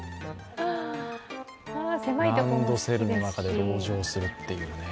ランドセルの中で籠城するっていうね。